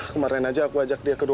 kamu tolong jagain dia ya